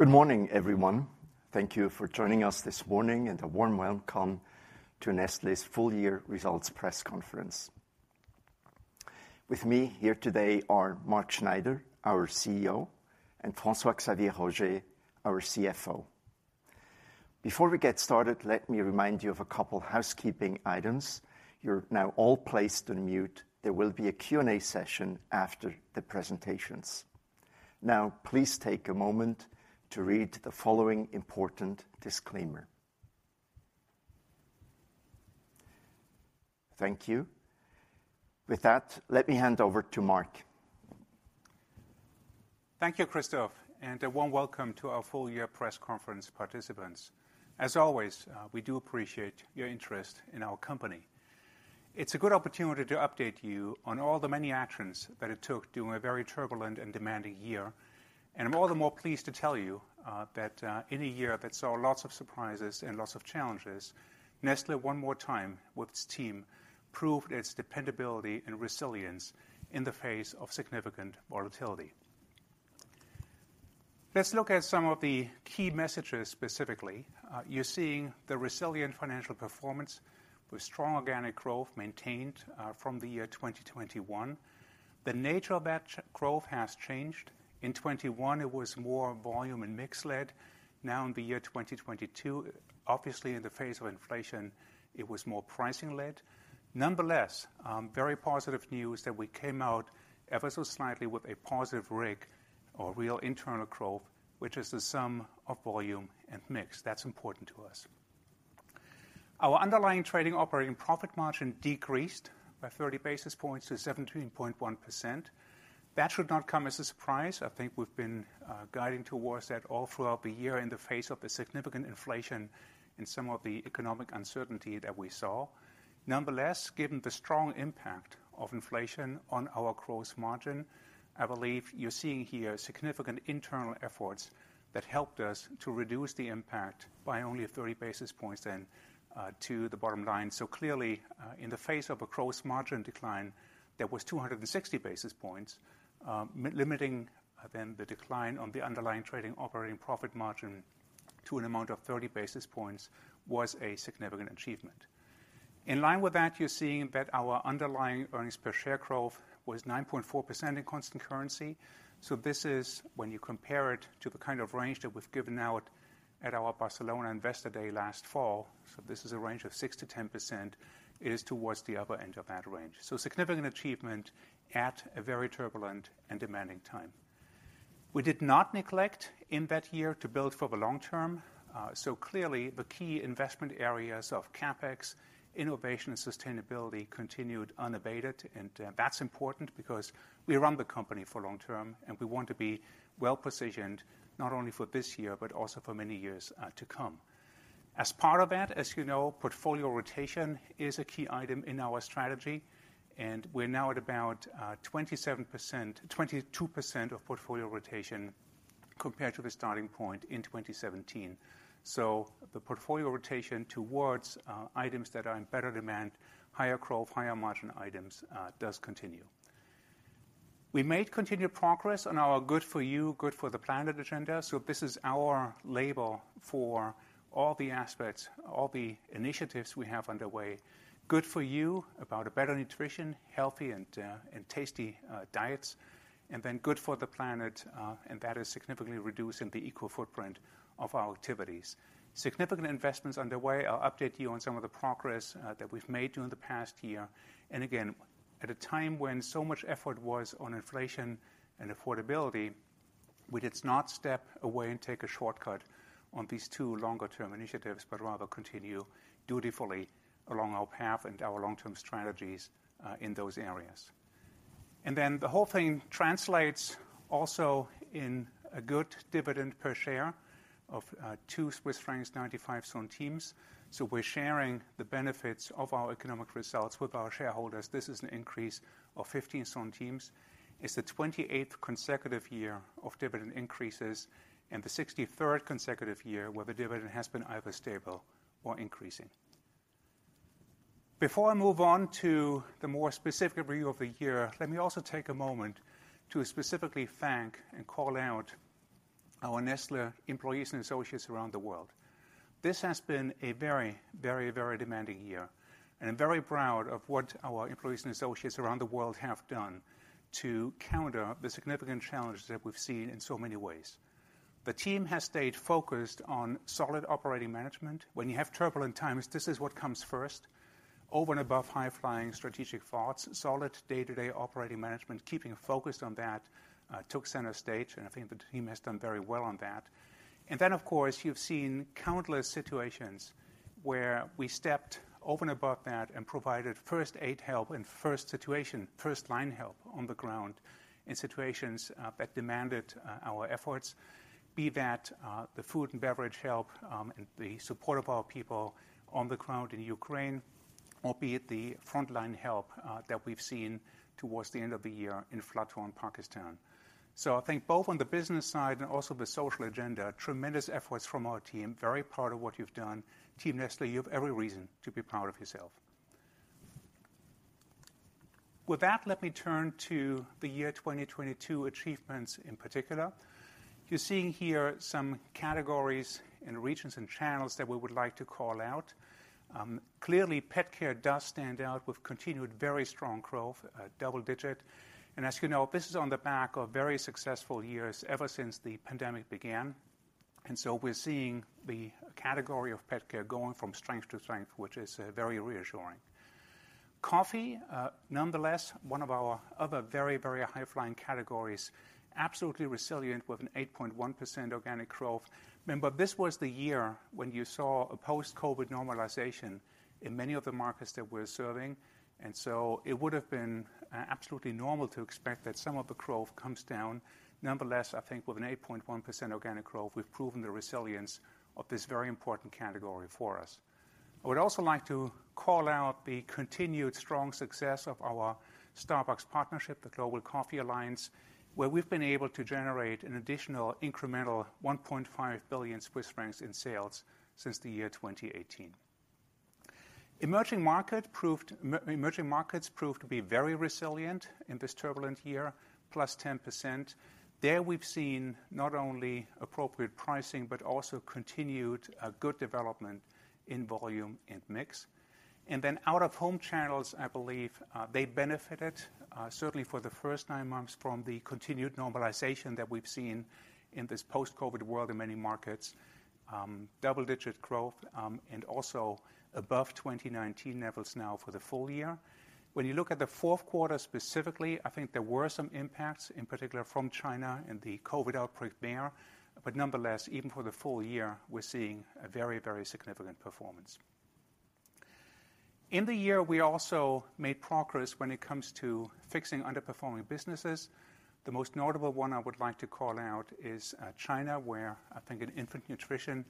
Good morning, everyone. Thank you for joining us this morning, and a warm welcome to Nestlé's full year results press conference. With me here today are Mark Schneider, our CEO, and François-Xavier Roger, our CFO. Before we get started, let me remind you of a couple housekeeping items. You're now all placed on mute. There will be a Q&A session after the presentations. Now, please take a moment to read the following important disclaimer. Thank you. With that, let me hand over to Mark. Thank you, Christoph, and a warm welcome to our full year press conference participants. As always, we do appreciate your interest in our company. It's a good opportunity to update you on all the many actions that it took during a very turbulent and demanding year. I'm all the more pleased to tell you that in a year that saw lots of surprises and lots of challenges, Nestlé, one more time, with its team, proved its dependability and resilience in the face of significant volatility. Let's look at some of the key messages specifically. You're seeing the resilient financial performance with strong organic growth maintained from the year 2021. The nature of that growth has changed. In 2021 it was more volume and mix led. Now in the year 2022, obviously in the face of inflation, it was more pricing led. Nonetheless, very positive news that we came out ever so slightly with a positive RIG, or real internal growth, which is the sum of volume and mix. That's important to us. Our underlying trading operating profit margin decreased by 30 basis points to 17.1%. That should not come as a surprise. I think we've been guiding towards that all throughout the year in the face of the significant inflation and some of the economic uncertainty that we saw. Nonetheless, given the strong impact of inflation on our gross margin, I believe you're seeing here significant internal efforts that helped us to reduce the impact by only 30 basis points then to the bottom line. Clearly, in the face of a gross margin decline that was 260 basis points, limiting then the decline on the Underlying Trading Operating Profit Margin to an amount of 30 basis points was a significant achievement. In line with that, you're seeing that our Underlying Earnings Per Share growth was 9.4% in constant currency. This is when you compare it to the kind of range that we've given out at our Barcelona Investor Day last fall, this is a range of 6%-10%, it is towards the upper end of that range. Significant achievement at a very turbulent and demanding time. We did not neglect in that year to build for the long term. Clearly the key investment areas of CapEx, innovation, and sustainability continued unabated, that's important because we run the company for long term, we want to be well positioned not only for this year, but also for many years to come. As part of that, as you know, portfolio rotation is a key item in our strategy, we're now at about 22% of portfolio rotation compared to the starting point in 2017. The portfolio rotation towards items that are in better demand, higher growth, higher margin items does continue. We made continued progress on our Good For You, Good For the Planet agenda. This is our label for all the aspects, all the initiatives we have underway. Good for You, about a better nutrition, healthy and tasty diets. Good for the Planet, and that is significantly reducing the eco footprint of our activities. Significant investments underway. I'll update you on some of the progress that we've made during the past year. At a time when so much effort was on inflation and affordability, we did not step away and take a shortcut on these two longer term initiatives, but rather continue dutifully along our path and our long-term strategies in those areas. The whole thing translates also in a good dividend per share of 2.95 Swiss francs. We're sharing the benefits of our economic results with our shareholders. This is an increase of 0.15. It's the 28th consecutive year of dividend increases and the 63rd consecutive year where the dividend has been either stable or increasing. Before I move on to the more specific review of the year, let me also take a moment to specifically thank and call out our Nestlé employees and associates around the world. This has been a very, very, very demanding year, and I'm very proud of what our employees and associates around the world have done to counter the significant challenges that we've seen in so many ways. The team has stayed focused on solid operating management. When you have turbulent times, this is what comes first. Over and above high-flying strategic thoughts, solid day-to-day operating management, keeping focused on that took center stage, and I think the team has done very well on that. You've seen countless situations where we stepped over and above that and provided first aid help and first situation, first line help on the ground in situations that demanded our efforts, be that the food and beverage help and the support of our people on the ground in Ukraine, or be it the frontline help that we've seen towards the end of the year in flood-torn Pakistan. I think both on the business side and also the social agenda, tremendous efforts from our team. Very proud of what you've done. Team Nestlé, you have every reason to be proud of yourself. With that, let me turn to the year 2022 achievements in particular. You're seeing here some categories and regions and channels that we would like to call out. Clearly, PetCare does stand out with continued very strong growth, double-digit. As you know, this is on the back of very successful years ever since the pandemic began. We're seeing the category of PetCare going from strength to strength, which is very reassuring. Coffee, nonetheless, one of our other very, very high-flying categories, absolutely resilient with an 8.1% organic growth. Remember, this was the year when you saw a post-COVID normalization in many of the markets that we're serving, it would have been absolutely normal to expect that some of the growth comes down. Nonetheless, I think with an 8.1% organic growth, we've proven the resilience of this very important category for us. I would also like to call out the continued strong success of our Starbucks partnership, the Global Coffee Alliance, where we've been able to generate an additional incremental 1.5 billion Swiss francs in sales since 2018. Emerging markets proved to be very resilient in this turbulent year, +10%. There we've seen not only appropriate pricing but also continued good development in volume and mix. Out-of-home channels, I believe, they benefited certainly for the first 9 months from the continued normalization that we've seen in this post-COVID world in many markets, double-digit growth, and also above 2019 levels now for the full year. When you look at the fourth quarter specifically, I think there were some impacts, in particular from China and the COVID outbreak there. Nonetheless, even for the full year, we're seeing a very, very significant performance. In the year, we also made progress when it comes to fixing underperforming businesses. The most notable one I would like to call out is China, where I think in infant nutrition,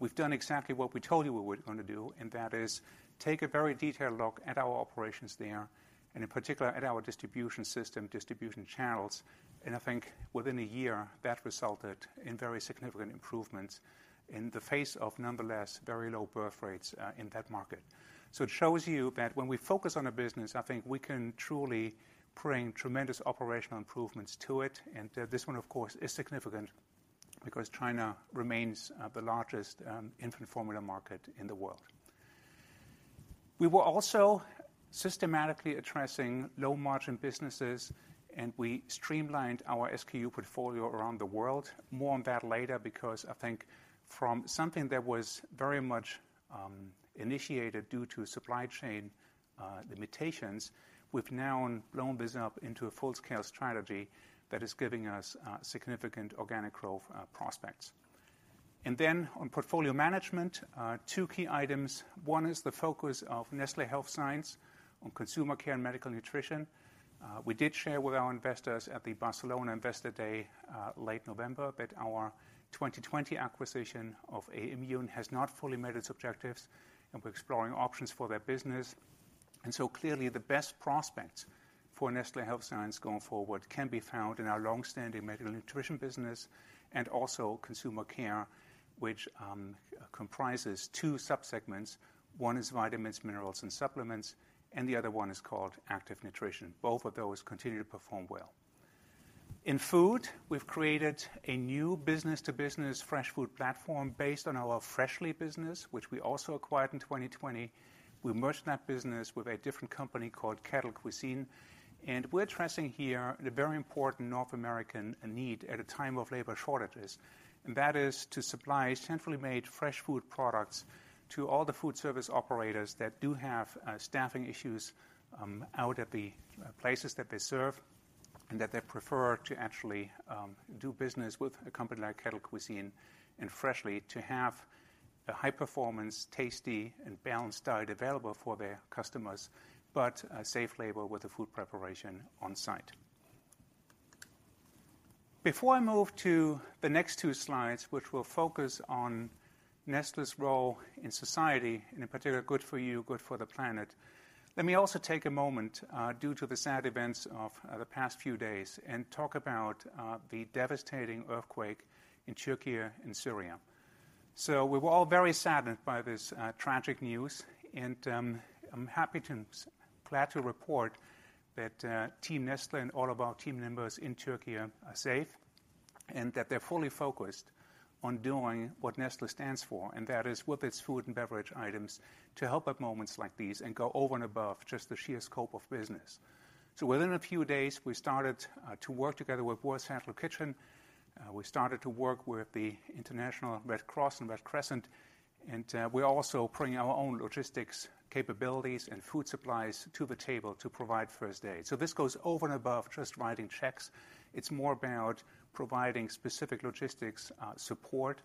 we've done exactly what we told you we were gonna do, and that is take a very detailed look at our operations there, and in particular, at our distribution system, distribution channels. I think within a year, that resulted in very significant improvements in the face of nonetheless very low birth rates in that market. It shows you that when we focus on a business, I think we can truly bring tremendous operational improvements to it. This one, of course, is significant because China remains the largest infant formula market in the world. We were also systematically addressing low-margin businesses. We streamlined our SKU portfolio around the world. More on that later, because I think from something that was very much initiated due to supply chain limitations, we've now blown this up into a full-scale strategy that is giving us significant organic growth prospects. On portfolio management, two key items. One is the focus of Nestlé Health Science on consumer care and medical nutrition. We did share with our investors at the Barcelona Investor Day late November that our 2020 acquisition of Aimmune has not fully met its objectives, and we're exploring options for that business. Clearly the best prospects for Nestlé Health Science going forward can be found in our long-standing medical nutrition business and also consumer care, which comprises two subsegments. One is vitamins, minerals, and supplements. The other one is called active nutrition. Both of those continue to perform well. In food, we've created a new business-to-business fresh food platform based on our Freshly business, which we also acquired in 2020. We merged that business with a different company called Kettle Cuisine. We're addressing here the very important North American need at a time of labor shortages. That is to supply centrally made fresh food products to all the food service operators that do have staffing issues out at the places that they serve. They prefer to actually do business with a company like Kettle Cuisine and Freshly to have a high-performance, tasty, and balanced diet available for their customers, but a safe label with the food preparation on-site. Before I move to the next 2 slides, which will focus on Nestlé's role in society, and in particular, Good for You, Good for the Planet, let me also take a moment due to the sad events of the past few days and talk about the devastating earthquake in Türkiye and Syria. We're all very saddened by this tragic news, and I'm glad to report that Team Nestlé and all of our team members in Türkiye are safe and that they're fully focused on doing what Nestlé stands for, and that is with its food and beverage items to help at moments like these and go over and above just the sheer scope of business. Within a few days, we started to work together with World Central Kitchen. We started to work with the International Red Cross and Red Crescent, we're also bringing our own logistics capabilities and food supplies to the table to provide first aid. This goes over and above just writing checks. It's more about providing specific logistics support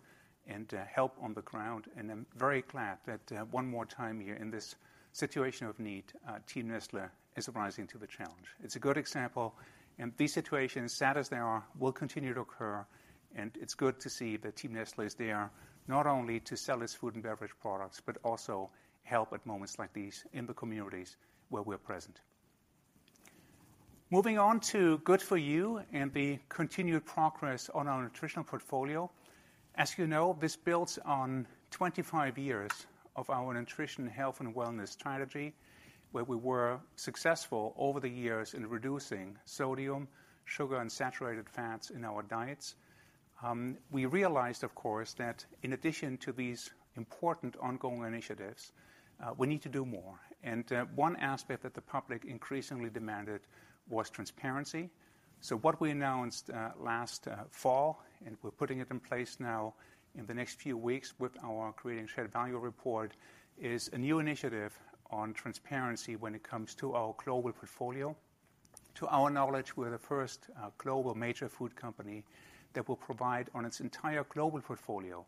and help on the ground. I'm very glad that one more time here in this situation of need, Team Nestlé is rising to the challenge. It's a good example. These situations, sad as they are, will continue to occur, and it's good to see that Team Nestlé is there, not only to sell its food and beverage products, but also help at moments like these in the communities where we're present. Moving on to Good for You and the continued progress on our nutritional portfolio. As you know, this builds on 25 years of our nutrition, health, and wellness strategy, where we were successful over the years in reducing sodium, sugar, and saturated fats in our diets. We realized, of course, that in addition to these important ongoing initiatives, we need to do more. One aspect that the public increasingly demanded was transparency. What we announced last fall, and we're putting it in place now in the next few weeks with our Creating Shared Value report, is a new initiative on transparency when it comes to our global portfolio. To our knowledge, we're the first global major food company that will provide on its entire global portfolio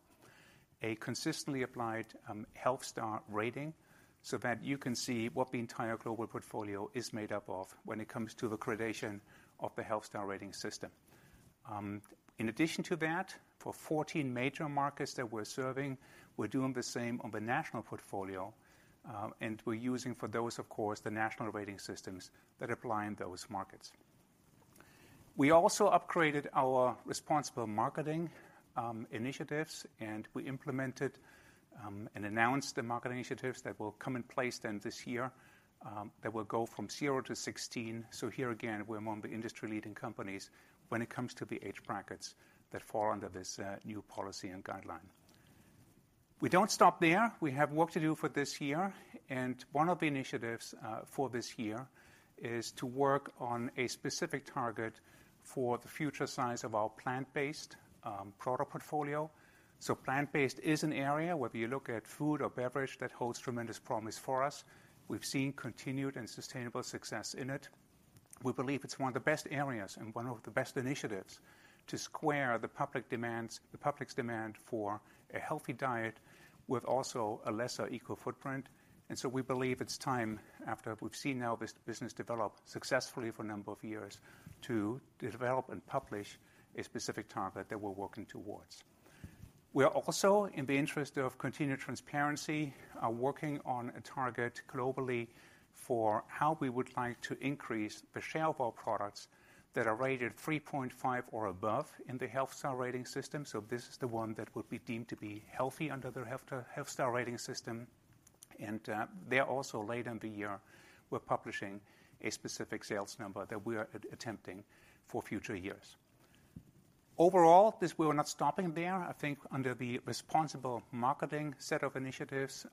a consistently applied Health Star Rating so that you can see what the entire global portfolio is made up of when it comes to the gradation of the Health Star Rating system. In addition to that, for 14 major markets that we're serving, we're doing the same on the national portfolio, and we're using for those, of course, the national rating systems that apply in those markets. We also upgraded our responsible marketing initiatives, and we implemented and announced the market initiatives that will come in place this year that will go from 0 to 16. Here again, we're among the industry-leading companies when it comes to the age brackets that fall under this new policy and guideline. We don't stop there. We have work to do for this year, and one of the initiatives for this year is to work on a specific target for the future size of our plant-based product portfolio. Plant-based is an area, whether you look at food or beverage, that holds tremendous promise for us. We've seen continued and sustainable success in it. We believe it's one of the best areas and one of the best initiatives to square the public's demand for a healthy diet with also a lesser eco-footprint. We believe it's time, after we've seen now this business develop successfully for a number of years, to develop and publish a specific target that we're working towards. We are also, in the interest of continued transparency, are working on a target globally for how we would like to increase the share of our products that are rated 3.5 or above in the Health Star Rating system. This is the one that would be deemed to be healthy under the Health Star Rating system. There also, later in the year, we're publishing a specific sales number that we are attempting for future years. Overall, we are not stopping there. I think under the responsible marketing set of initiatives,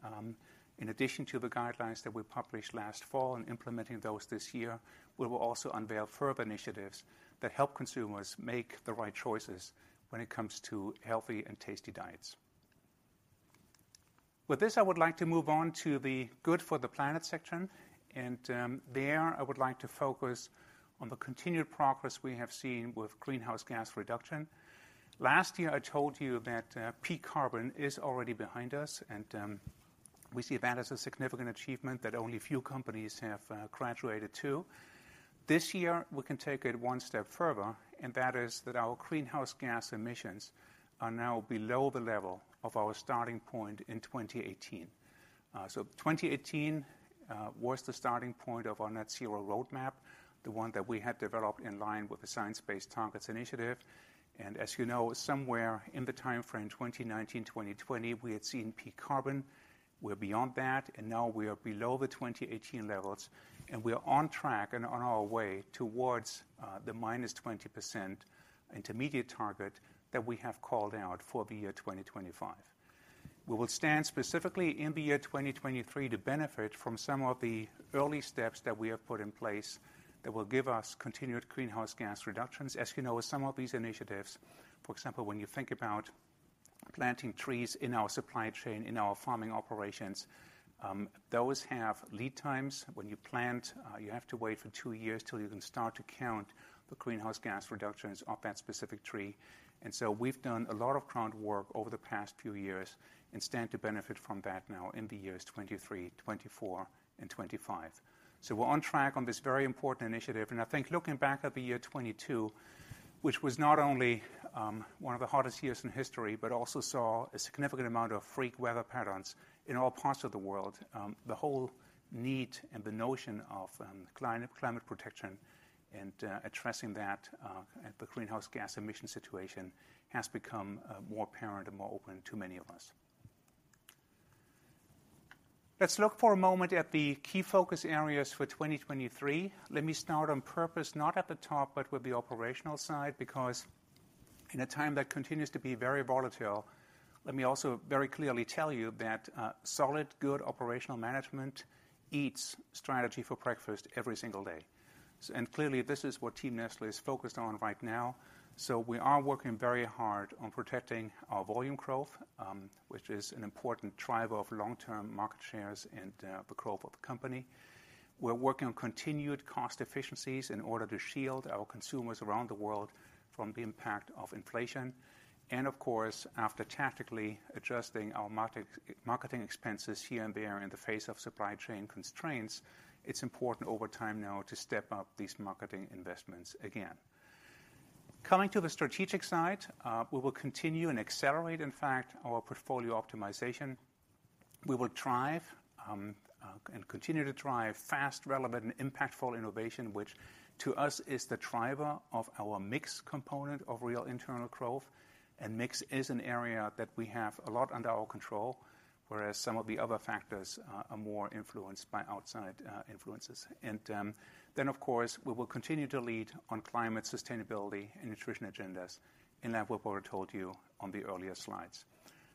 in addition to the guidelines that we published last fall and implementing those this year, we will also unveil further initiatives that help consumers make the right choices when it comes to healthy and tasty diets. With this, I would like to move on to the Good for the Planet section. There I would like to focus on the continued progress we have seen with greenhouse gas reduction. Last year, I told you that peak carbon is already behind us. We see that as a significant achievement that only a few companies have graduated to. This year, we can take it one step further, that is that our greenhouse gas emissions are now below the level of our starting point in 2018. 2018 was the starting point of our net zero roadmap, the one that we had developed in line with the Science Based Targets initiative. As you know, somewhere in the timeframe 2019, 2020, we had seen peak carbon. We're beyond that. Now we are below the 2018 levels, and we are on track and on our way towards the -20% intermediate target that we have called out for the year 2025. We will stand specifically in the year 2023 to benefit from some of the early steps that we have put in place that will give us continued greenhouse gas reductions. As you know, some of these initiatives, for example, when you think about planting trees in our supply chain, in our farming operations, those have lead times. When you plant, you have to wait for 2 years till you can start to count the greenhouse gas reductions of that specific tree. We've done a lot of groundwork over the past few years and stand to benefit from that now in the years 2023, 2024, and 2025. We're on track on this very important initiative, and I think looking back at the year 2022, which was not only one of the hottest years in history, but also saw a significant amount of freak weather patterns in all parts of the world, the whole need and the notion of climate protection and addressing that at the greenhouse gas emission situation has become more apparent and more open to many of us. Let's look for a moment at the key focus areas for 2023. Let me start on purpose, not at the top, but with the operational side because in a time that continues to be very volatile, let me also very clearly tell you that solid, good operational management eats strategy for breakfast every single day. Clearly, this is what Team Nestlé is focused on right now. We are working very hard on protecting our volume growth, which is an important driver of long-term market shares and the growth of the company. We're working on continued cost efficiencies in order to shield our consumers around the world from the impact of inflation. Of course, after tactically adjusting our market, marketing expenses here and there in the face of supply chain constraints, it's important over time now to step up these marketing investments again. Coming to the strategic side, we will continue and accelerate, in fact, our portfolio optimization. We will drive and continue to drive fast, relevant, and impactful innovation, which to us is the driver of our mix component of Real Internal Growth. Mix is an area that we have a lot under our control, whereas some of the other factors are more influenced by outside influences. Of course, we will continue to lead on climate sustainability and nutrition agendas, and that what we told you on the earlier slides.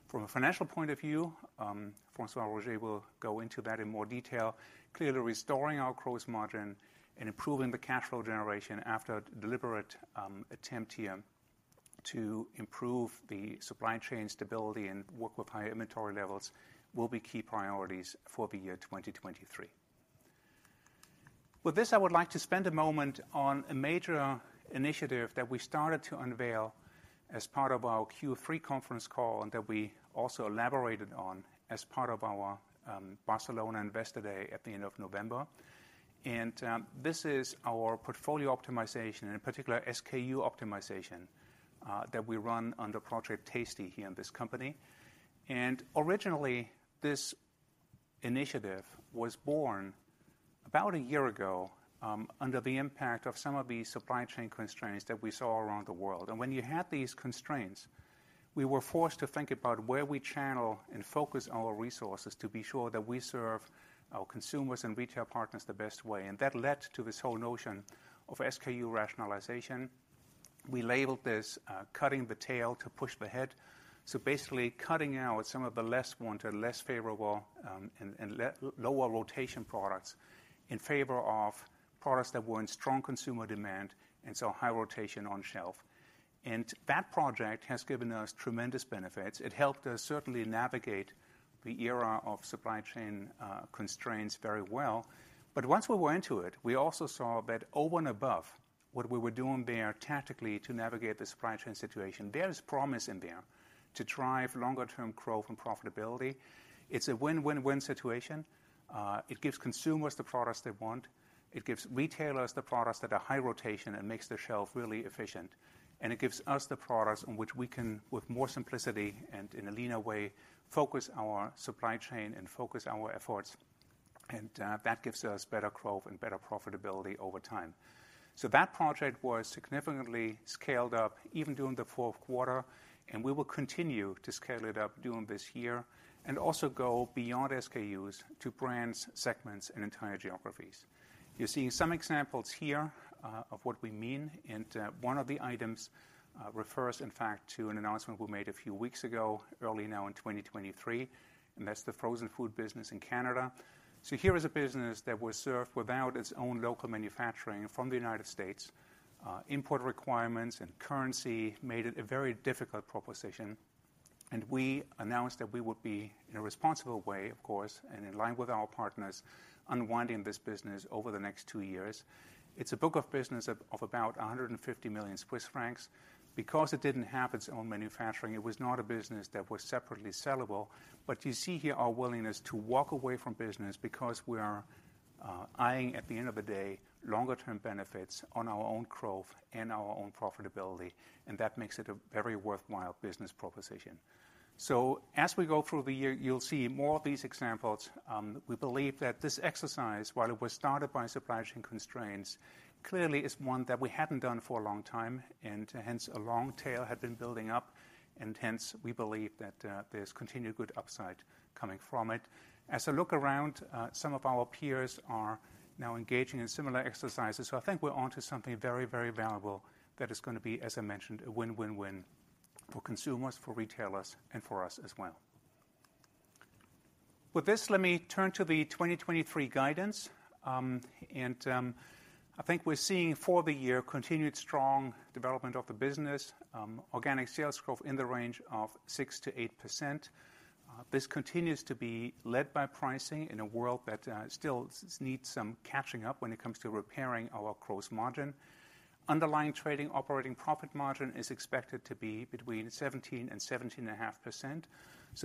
From a financial point of view, François-Xavier Roger will go into that in more detail. Clearly, restoring our gross margin and improving the cash flow generation after a deliberate attempt here to improve the supply chain stability and work with high inventory levels will be key priorities for 2023. With this, I would like to spend a moment on a major initiative that we started to unveil as part of our Q3 conference call and that we also elaborated on as part of our Barcelona Investor Day at the end of November. This is our portfolio optimization and in particular SKU optimization that we run under Project Tasty here in this company. Originally, this initiative was born about a year ago under the impact of some of the supply chain constraints that we saw around the world. When you had these constraints, we were forced to think about where we channel and focus our resources to be sure that we serve our consumers and retail partners the best way. That led to this whole notion of SKU rationalization. We labeled this, cutting the tail to push the head. Basically cutting out some of the less wanted, less favorable, and lower rotation products in favor of products that were in strong consumer demand and saw high rotation on shelf. That project has given us tremendous benefits. It helped us certainly navigate the era of supply chain constraints very well. Once we went into it, we also saw that over and above what we were doing there tactically to navigate the supply chain situation, there is promise in there to drive longer term growth and profitability. It's a win-win-win situation. It gives consumers the products they want. It gives retailers the products that are high rotation and makes their shelf really efficient. It gives us the products in which we can, with more simplicity and in a leaner way, focus our supply chain and focus our efforts, and that gives us better growth and better profitability over time. That project was significantly scaled up even during the fourth quarter, and we will continue to scale it up during this year and also go beyond SKUs to brands, segments, and entire geographies. You're seeing some examples here of what we mean, and one of the items refers, in fact, to an announcement we made a few weeks ago, early now in 2023, and that's the frozen food business in Canada. Here is a business that was served without its own local manufacturing from the United States. Import requirements and currency made it a very difficult proposition. We announced that we would be, in a responsible way, of course, and in line with our partners, unwinding this business over the next two years. It's a book of business of about 150 million Swiss francs. Because it didn't have its own manufacturing, it was not a business that was separately sellable. You see here our willingness to walk away from business because we are eyeing, at the end of the day, longer term benefits on our own growth and our own profitability, and that makes it a very worthwhile business proposition. As we go through the year, you'll see more of these examples. We believe that this exercise, while it was started by supply chain constraints, clearly is one that we hadn't done for a long time and hence a long tail had been building up. Hence we believe that there's continued good upside coming from it. As I look around, some of our peers are now engaging in similar exercises. I think we're onto something very, very valuable that is gonna be, as I mentioned, a win-win-win for consumers, for retailers, and for us as well. With this, let me turn to the 2023 guidance. I think we're seeing for the year continued strong development of the business. Organic sales growth in the range of 6%-8%. This continues to be led by pricing in a world that still needs some catching up when it comes to repairing our gross margin. Underlying trading operating profit margin is expected to be between 17 and 17.5%.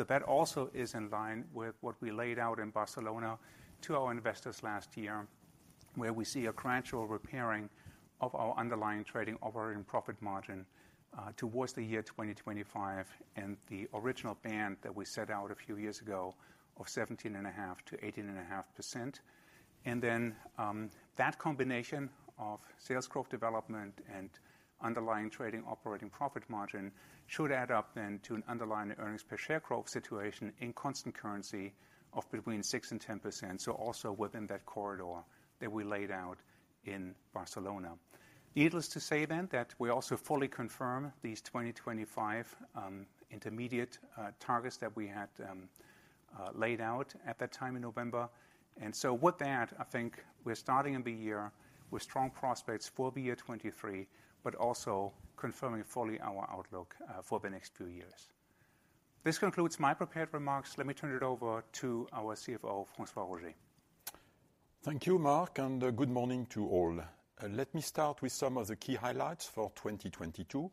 That also is in line with what we laid out in Barcelona to our investors last year, where we see a gradual repairing of our underlying trading operating profit margin towards the year 2025 and the original band that we set out a few years ago of 17.5% to 18.5%. That combination of sales growth development and underlying trading operating profit margin should add up then to an underlying earnings per share growth situation in constant currency of between 6 and 10%. Also within that corridor that we laid out in Barcelona. Needless to say then that we also fully confirm these 2025 intermediate targets that we had laid out at that time in November. With that, I think we're starting the year with strong prospects for the year 2023, but also confirming fully our outlook for the next two years. This concludes my prepared remarks. Let me turn it over to our CFO, François-Xavier Roger. Thank you, Mark, good morning to all. Let me start with some of the key highlights for 2022.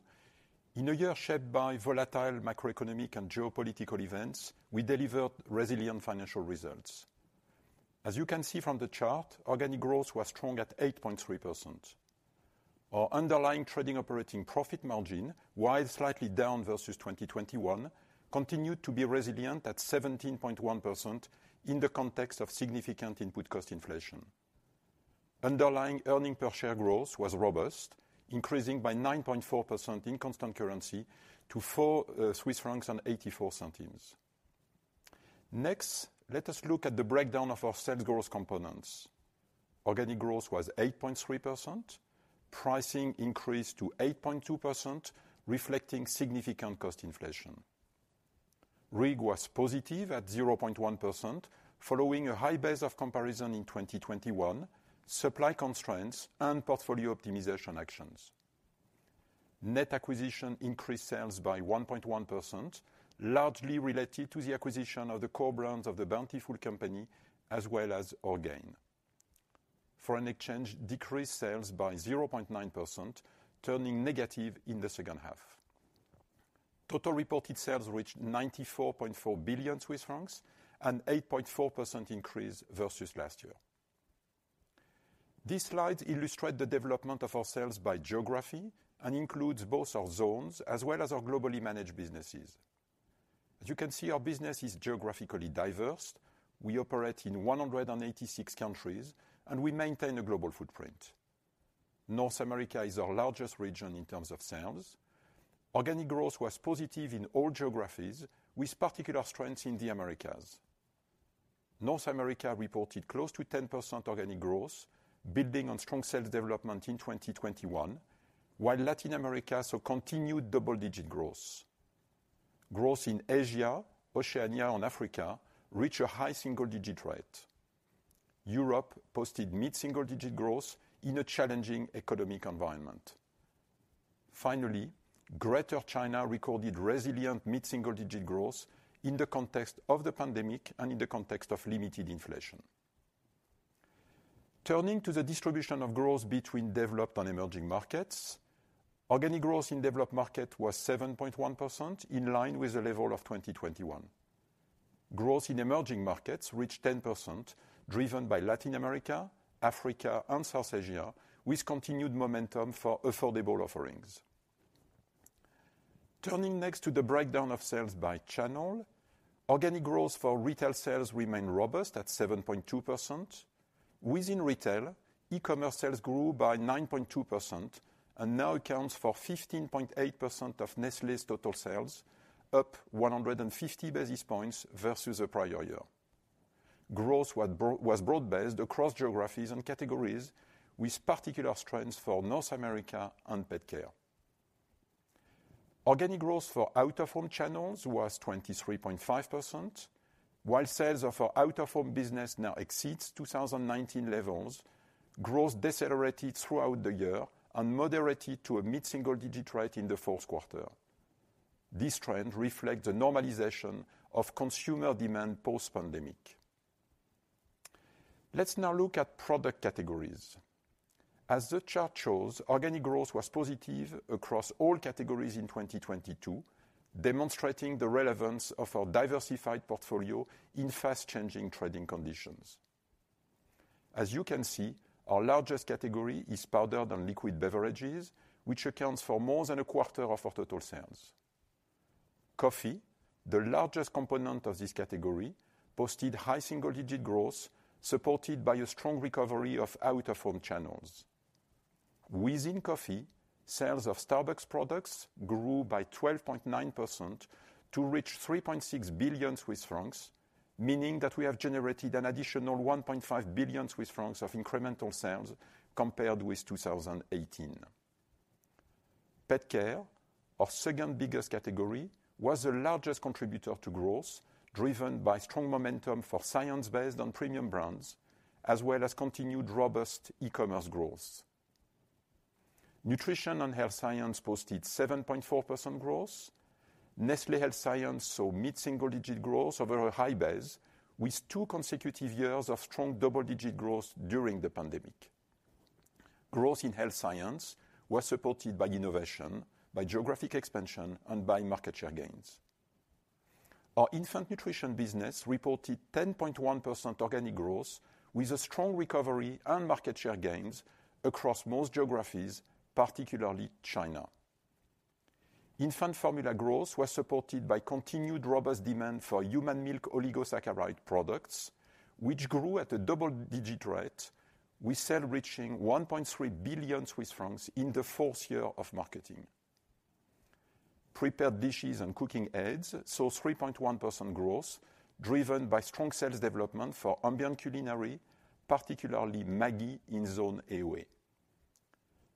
In a year shaped by volatile macroeconomic and geopolitical events, we delivered resilient financial results. As you can see from the chart, organic growth was strong at 8.3%. Our underlying trading operating profit margin, while slightly down versus 2021, continued to be resilient at 17.1% in the context of significant input cost inflation. Underlying earnings per share growth was robust, increasing by 9.4% in constant currency to 4.84 Swiss francs. Next, let us look at the breakdown of our sales growth components. Organic growth was 8.3%. Pricing increased to 8.2%, reflecting significant cost inflation. RIG was positive at 0.1% following a high base of comparison in 2021, supply constraints, and portfolio optimization actions. Net acquisition increased sales by 1.1%, largely related to the acquisition of the core brands of The Bountiful Company, as well as Orgain. Foreign exchange decreased sales by 0.9%, turning negative in the second half. Total reported sales reached 94.4 billion Swiss francs, an 8.4% increase versus last year. These slides illustrate the development of our sales by geography and includes both our zones as well as our globally managed businesses. As you can see, our business is geographically diverse. We operate in 186 countries, and we maintain a global footprint. North America is our largest region in terms of sales. Organic growth was positive in all geographies, with particular strength in the Americas. North America reported close to 10% organic growth, building on strong sales development in 2021, while Latin America saw continued double-digit growth. Growth in Asia, Oceania, and Africa reached a high single-digit rate. Europe posted mid-single digit growth in a challenging economic environment. Greater China recorded resilient mid-single digit growth in the context of the pandemic and in the context of limited inflation. Turning to the distribution of growth between developed and emerging markets, organic growth in developed market was 7.1%, in line with the level of 2021. Growth in emerging markets reached 10%, driven by Latin America, Africa, and South Asia, with continued momentum for affordable offerings. Turning next to the breakdown of sales by channel, organic growth for retail sales remained robust at 7.2%. Within retail, e-commerce sales grew by 9.2% and now accounts for 15.8% of Nestlé's total sales, up 150 basis points versus the prior year. Growth was broad-based across geographies and categories, with particular strengths for North America and Pet Care. Organic growth for out-of-home channels was 23.5%. While sales of our out-of-home business now exceeds 2019 levels, growth decelerated throughout the year and moderated to a mid-single digit rate in the fourth quarter. This trend reflects a normalization of consumer demand post-pandemic. Let's now look at product categories. As the chart shows, organic growth was positive across all categories in 2022, demonstrating the relevance of our diversified portfolio in fast changing trading conditions. As you can see, our largest category is powdered and liquid beverages, which accounts for more than a quarter of our total sales. Coffee, the largest component of this category, posted high single-digit growth, supported by a strong recovery of out-of-home channels. Within coffee, sales of Starbucks products grew by 12.9% to reach 3.6 billion Swiss francs, meaning that we have generated an additional 1.5 billion Swiss francs of incremental sales compared with 2018. PetCare, our second biggest category, was the largest contributor to growth, driven by strong momentum for science-based on premium brands, as well as continued robust e-commerce growth. Nutrition and health science posted 7.4% growth. Nestlé Health Science saw mid-single digit growth over a high base, with two consecutive years of strong double-digit growth during the pandemic. Growth in Nestlé Health Science was supported by innovation, by geographic expansion, and by market share gains. Our infant nutrition business reported 10.1% organic growth with a strong recovery and market share gains across most geographies, particularly China. Infant formula growth was supported by continued robust demand for human milk oligosaccharide products, which grew at a double-digit rate, with sales reaching 1.3 billion Swiss francs in the fourth year of marketing. Prepared dishes and cooking aids saw 3.1% growth, driven by strong sales development for ambient culinary, particularly MAGGI, in Zone AOA.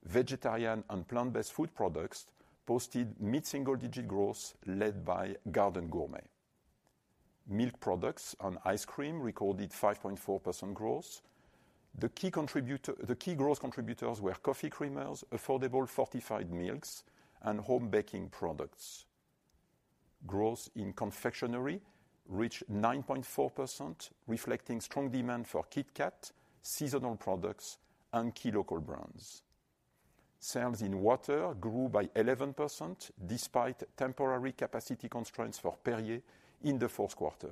Vegetarian and plant-based food products posted mid-single digit growth led by Garden Gourmet. Milk products and ice cream recorded 5.4% growth. The key growth contributors were coffee creamers, affordable fortified milks, and home baking products. Growth in confectionery reached 9.4%, reflecting strong demand for KitKat, seasonal products, and key local brands. Sales in water grew by 11% despite temporary capacity constraints for Perrier in the fourth quarter.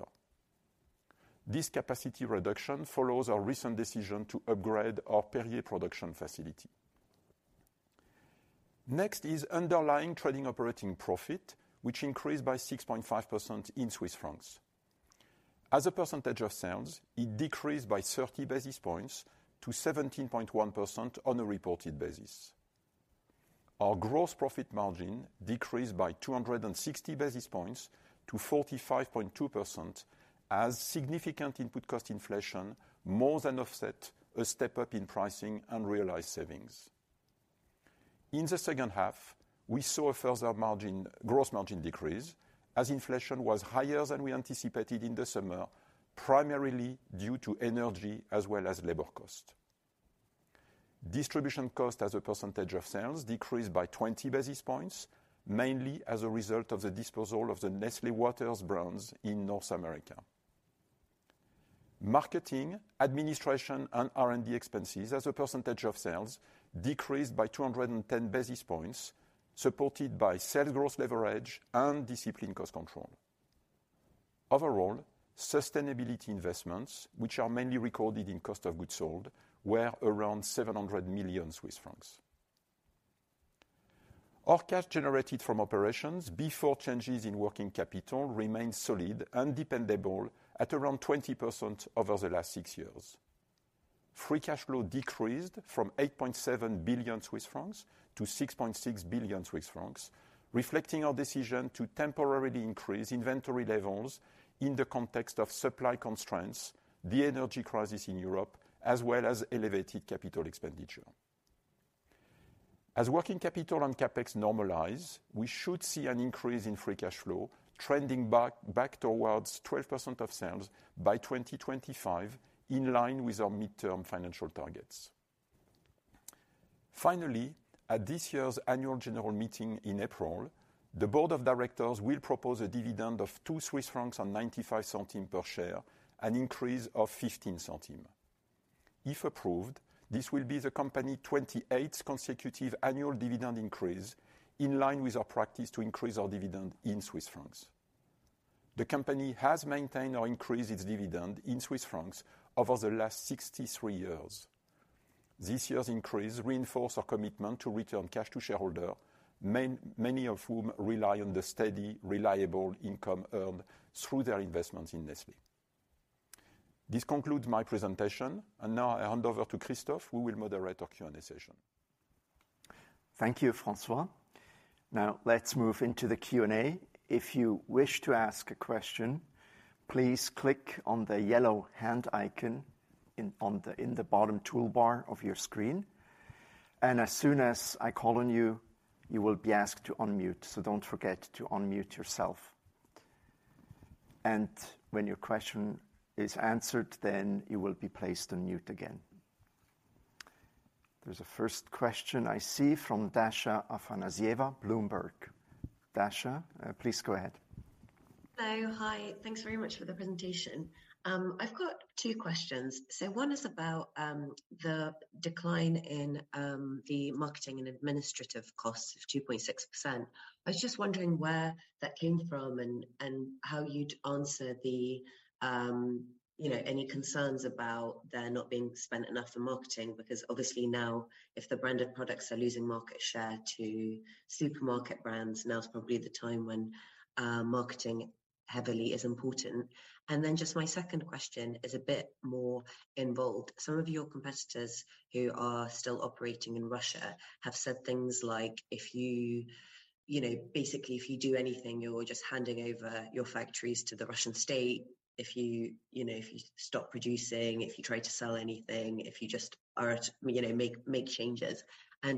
This capacity reduction follows our recent decision to upgrade our Perrier production facility. Underlying trading operating profit, which increased by 6.5% in CHF. As a percentage of sales, it decreased by 30 basis points to 17.1% on a reported basis. Our gross profit margin decreased by 260 basis points to 45.2% as significant input cost inflation more than offset a step-up in pricing and realized savings. In the second half, we saw a further gross margin decrease as inflation was higher than we anticipated in the summer, primarily due to energy as well as labor cost. Distribution cost as a percentage of sales decreased by 20 basis points, mainly as a result of the disposal of the Nestlé Waters brands in North America. Marketing, administration, and R&D expenses as a percentage of sales decreased by 210 basis points, supported by sales growth leverage and disciplined cost control. Overall, sustainability investments, which are mainly recorded in cost of goods sold, were around 700 million Swiss francs. Our cash generated from operations before changes in working capital remained solid and dependable at around 20% over the last 6 years. Free cash flow decreased from 8.7 billion Swiss francs to 6.6 billion Swiss francs, reflecting our decision to temporarily increase inventory levels in the context of supply constraints, the energy crisis in Europe, as well as elevated capital expenditure. As working capital and CapEx normalize, we should see an increase in free cash flow trending back towards 12% of sales by 2025, in line with our midterm financial targets. Finally, at this year's Annual General Meeting in April, the board of directors will propose a dividend of 2.95 Swiss francs per share, an increase of 0.15. If approved, this will be the company 28th consecutive annual dividend increase in line with our practice to increase our dividend in Swiss francs. The company has maintained or increased its dividend in Swiss francs over the last 63 years. This year's increase reinforce our commitment to return cash to shareholder, many of whom rely on the steady, reliable income earned through their investments in Nestlé. This concludes my presentation and now I hand over to Christoph, who will moderate our Q&A session. Thank you, François. Now, let's move into the Q&A. If you wish to ask a question, please click on the yellow hand icon in the bottom toolbar of your screen. As soon as I call on you will be asked to unmute, so don't forget to unmute yourself. When your question is answered, then you will be placed on mute again. There's a first question I see from Dasha Afanasieva, Bloomberg. Dasha, please go ahead. Hi, thanks very much for the presentation. I've got two questions. One is about the decline in the marketing and administrative costs of 2.6%. I was just wondering where that came from and how you'd answer the, you know, any concerns about there not being spent enough for marketing, because obviously now if the branded products are losing market share to supermarket brands, now is probably the time when marketing heavily is important. Just my second question is a bit more involved. Some of your competitors who are still operating in Russia have said things like if you know, basically if you do anything, you're just handing over your factories to the Russian state. If you know, if you stop producing, if you try to sell anything, if you just are at, you know, make changes.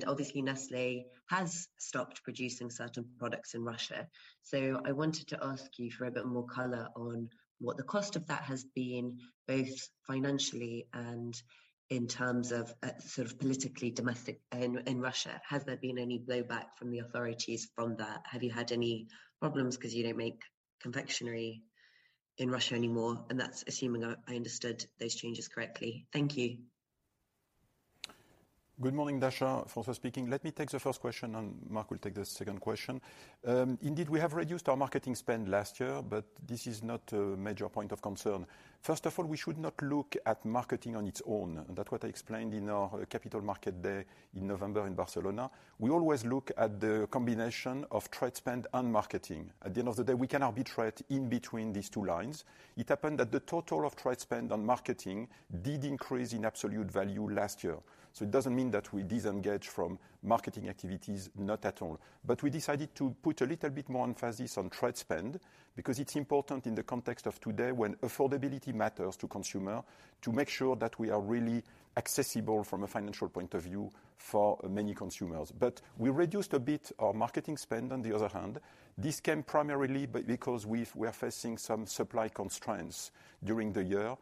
Obviously Nestlé has stopped producing certain products in Russia. I wanted to ask you for a bit more color on what the cost of that has been, both financially and in terms of, sort of politically domestic in Russia. Has there been any blowback from the authorities from that? Have you had any problems 'cause you don't make confectionery in Russia anymore? That's assuming I understood those changes correctly. Thank you. Good morning, Dasha. François speaking. Let me take the first question and Mark will take the second question. Indeed, we have reduced our marketing spend last year. This is not a major point of concern. First of all, we should not look at marketing on its own. That what I explained in our Capital Market Day in November in Barcelona. We always look at the combination of trade spend and marketing. At the end of the day, we can arbitrate in between these two lines. It happened that the total of trade spend on marketing did increase in absolute value last year. It doesn't mean that we disengage from marketing activities, not at all. We decided to put a little bit more emphasis on trade spend because it's important in the context of today when affordability matters to consumer, to make sure that we are really accessible from a financial point of view for many consumers. We reduced a bit our marketing spend, on the other hand. This came primarily because we're facing some supply constraints during the year,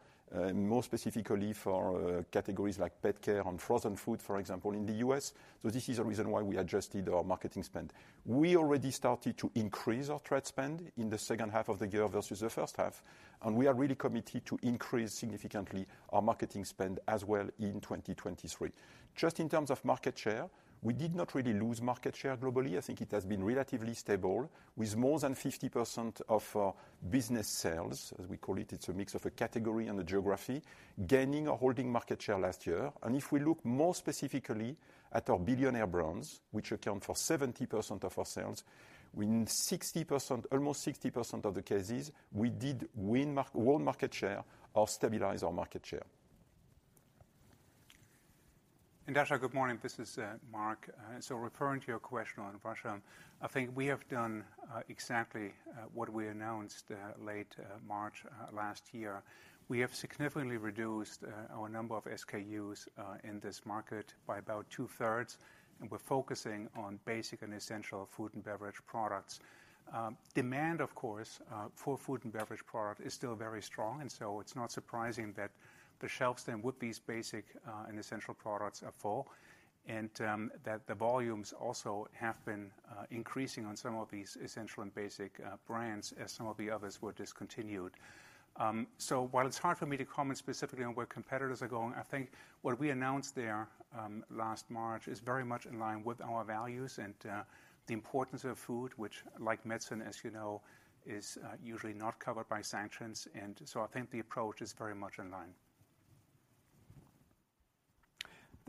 more specifically for categories like PetCare and frozen food, for example, in the U.S. This is the reason why we adjusted our marketing spend. We already started to increase our trade spend in the second half of the year versus the first half, and we are really committed to increase significantly our marketing spend as well in 2023. In terms of market share, we did not really lose market share globally. I think it has been relatively stable with more than 50% of business sales, as we call it. It's a mix of a category and a geography, gaining or holding market share last year. If we look more specifically at our billionaire brands, which account for 70% of our sales, we in 60%, almost 60% of the cases we did won market share or stabilize our market share. Dasha, good morning. This is Mark. Referring to your question on Russia, I think we have done exactly what we announced late March last year. We have significantly reduced our number of SKUs in this market by about two-thirds, and we're focusing on basic and essential food and beverage products. Demand, of course, for food and beverage product is still very strong, and so it's not surprising that the shelves then with these basic and essential products are full, and that the volumes also have been increasing on some of these essential and basic brands as some of the others were discontinued. While it's hard for me to comment specifically on where competitors are going, I think what we announced there, last March is very much in line with our values and the importance of food, which like medicine, as you know, is usually not covered by sanctions. I think the approach is very much in line.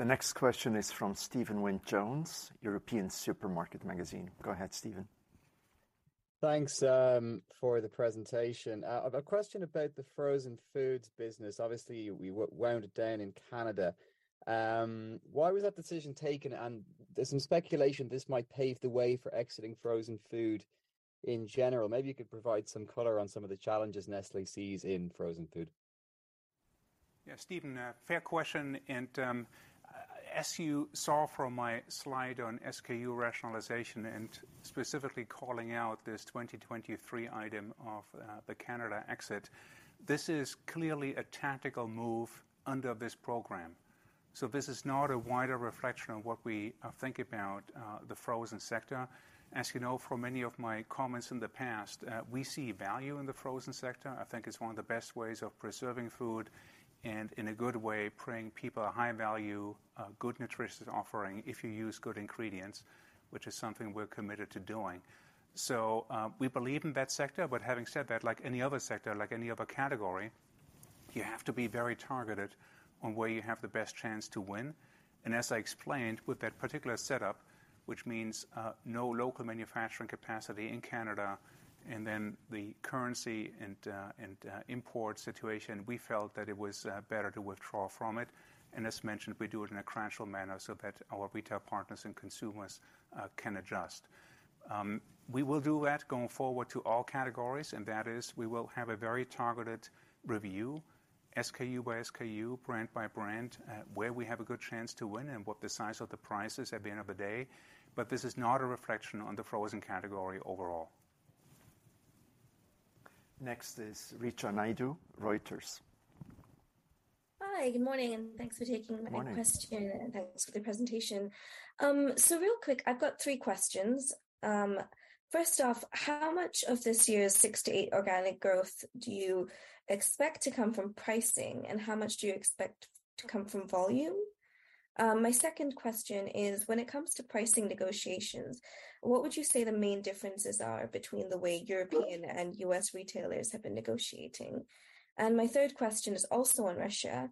The next question is from Stephen Wynne-Jones, European Supermarket Magazine. Go ahead, Stephen. Thanks for the presentation. I've a question about the frozen foods business. Obviously, we wound it down in Canada. Why was that decision taken? There's some speculation this might pave the way for exiting frozen food in general. Maybe you could provide some color on some of the challenges Nestlé sees in frozen food. Yeah, Stephen, fair question. As you saw from my slide on SKU rationalization and specifically calling out this 2023 item of the Canada exit, this is clearly a tactical move under this program. This is not a wider reflection on what we think about the frozen sector. As you know, from many of my comments in the past, we see value in the frozen sector. I think it's one of the best ways of preserving food and in a good way, bringing people a high value, a good nutritious offering if you use good ingredients, which is something we're committed to doing. We believe in that sector, having said that, like any other sector, like any other category, you have to be very targeted on where you have the best chance to win. As I explained with that particular setup, which means no local manufacturing capacity in Canada and then the currency and import situation, we felt that it was better to withdraw from it. As mentioned, we do it in a gradual manner so that our retail partners and consumers can adjust. We will do that going forward to all categories, and that is we will have a very targeted review, SKU by SKU, brand by brand, where we have a good chance to win and what the size of the price is at the end of the day. This is not a reflection on the frozen category overall. Next is Richa Naidu, Reuters. Hi, good morning, and thanks for taking my question. Good morning. Thanks for the presentation. Real quick, I've got three questions. First off, how much of this year's 6%-8% organic growth do you expect to come from pricing, and how much do you expect to come from volume? My second question is, when it comes to pricing negotiations, what would you say the main differences are between the way European and U.S. retailers have been negotiating? My third question is also on Russia,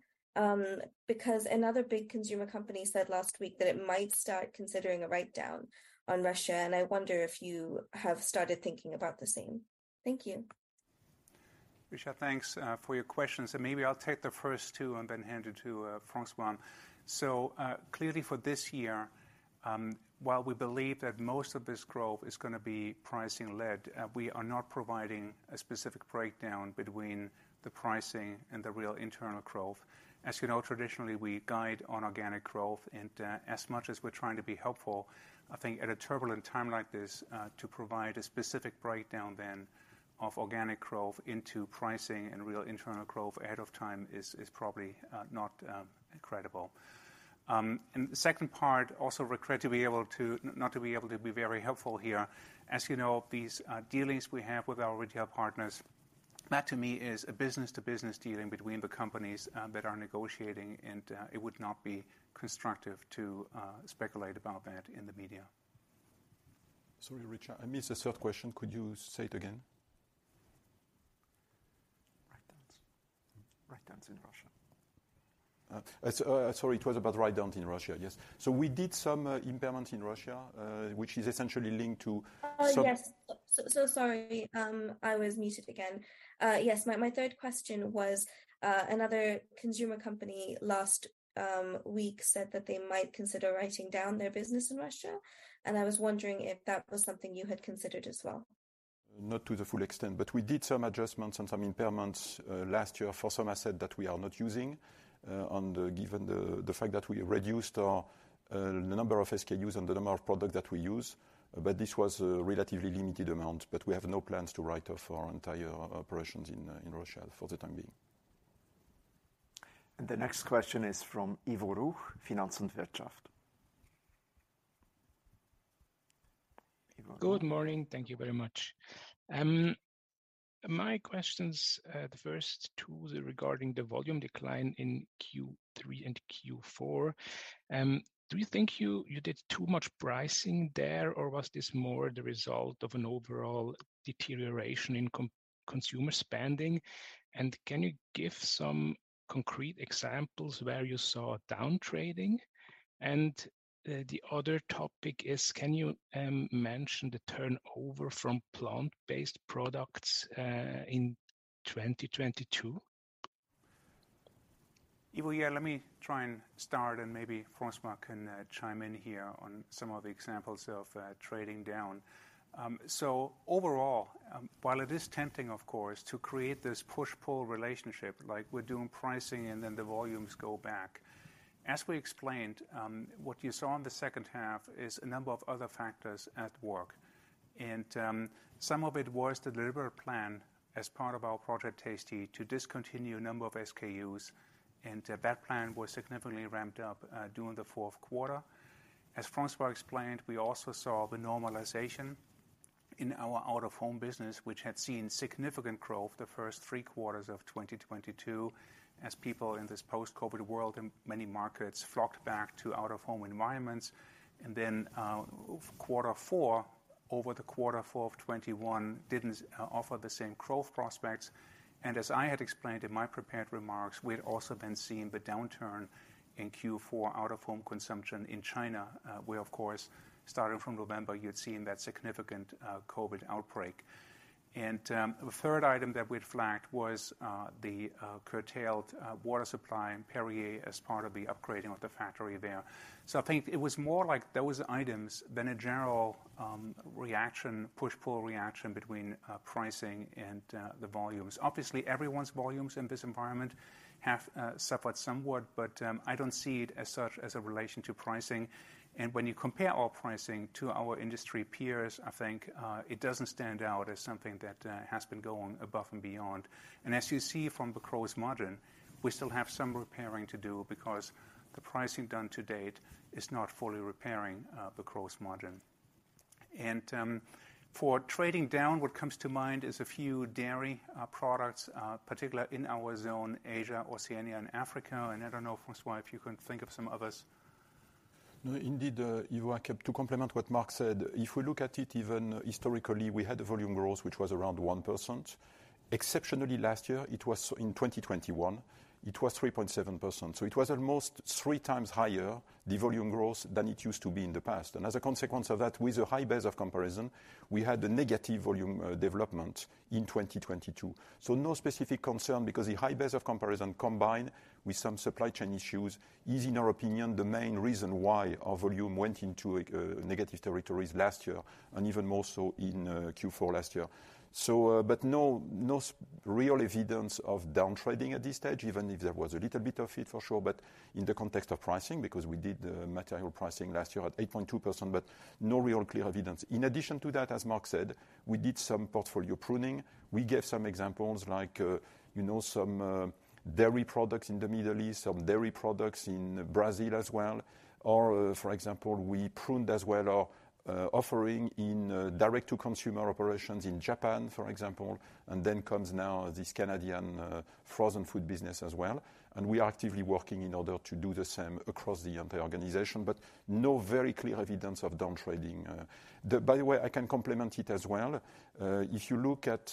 because another big consumer company said last week that it might start considering a write-down on Russia, and I wonder if you have started thinking about the same. Thank you. Richa, thanks for your questions. Maybe I'll take the first two and then hand you to Francois. Clearly for this year, while we believe that most of this growth is gonna be pricing-led, we are not providing a specific breakdown between the pricing and the Real Internal Growth. As you know, traditionally, we guide on organic growth. As much as we're trying to be helpful, I think at a turbulent time like this, to provide a specific breakdown then of organic growth into pricing and Real Internal Growth ahead of time is probably not incredible. The second part also regret not to be able to be very helpful here. As you know, these dealings we have with our retail partners, that to me is a business-to-business dealing between the companies that are negotiating, and it would not be constructive to speculate about that in the media. Sorry, Richa, I missed the third question. Could you say it again? Write-downs. Write-downs in Russia. sorry, it was about write-down in Russia. Yes. we did some impairment in Russia, which is essentially linked to. Yes. So sorry. I was muted again. Yes, my third question was, another consumer company last week said that they might consider writing down their business in Russia. I was wondering if that was something you had considered as well. Not to the full extent, but we did some adjustments and some impairments, last year for some asset that we are not using, and given the fact that we reduced our number of SKUs and the number of product that we use. This was a relatively limited amount, but we have no plans to write off our entire operations in Russia for the time being. The next question is from Ivo Ruch, Finanz und Wirtschaft. Ivo Ruch. Good morning. Thank you very much. My questions, the first two regarding the volume decline in Q3 and Q4. Do you think you did too much pricing there, or was this more the result of an overall deterioration in consumer spending? Can you give some concrete examples where you saw downtrading? The other topic is, can you mention the turnover from plant-based products in 2022? Ivo, let me try and start, maybe François can chime in here on some of the examples of trading down. Overall, while it is tempting, of course, to create this push-pull relationship, like we're doing pricing and then the volumes go back. As we explained, what you saw in the second half is a number of other factors at work. Some of it was the deliberate plan as part of our Project Tasty to discontinue a number of SKUs, that plan was significantly ramped up during the fourth quarter. As François explained, we also saw the normalization in our out-of-home business, which had seen significant growth the first three quarters of 2022 as people in this post-COVID world in many markets flocked back to out-of-home environments. Q4 over the Q4 of 2021 didn't offer the same growth prospects. As I had explained in my prepared remarks, we'd also been seeing the downturn in Q4 out-of-home consumption in China, where, of course, starting from November, you had seen that significant COVID outbreak. The third item that we'd flagged was the curtailed water supply in Perrier as part of the upgrading of the factory there. I think it was more like those items than a general reaction, push-pull reaction between pricing and the volumes. Obviously, everyone's volumes in this environment have suffered somewhat. I don't see it as such as a relation to pricing. When you compare our pricing to our industry peers, I think it doesn't stand out as something that has been going above and beyond. As you see from the gross margin, we still have some repairing to do because the pricing done to date is not fully repairing the gross margin. For trading down, what comes to mind is a few dairy products particular in our zone, Asia, Oceania and Africa. I don't know, François, if you can think of some others. No, indeed, Ivo, to complement what Mark said, if we look at it even historically, we had volume growth, which was around 1%. Exceptionally last year, it was in 2021, it was 3.7%. It was almost three times higher, the volume growth, than it used to be in the past. As a consequence of that, with a high base of comparison, we had a negative volume development in 2022. No specific concern because the high base of comparison combined with some supply chain issues is, in our opinion, the main reason why our volume went into a negative territories last year and even more so in Q4 last year. But no real evidence of downtrading at this stage, even if there was a little bit of it for sure, but in the context of pricing, because we did material pricing last year at 8.2%, but no real clear evidence. In addition to that, as Mark said, we did some portfolio pruning. We gave some examples like, you know, some dairy products in the Middle East, some dairy products in Brazil as well. For example, we pruned as well our offering in direct-to-consumer operations in Japan, for example. Comes now this Canadian frozen food business as well. We are actively working in order to do the same across the entire organization, but no very clear evidence of downtrading. By the way, I can complement it as well. If you look at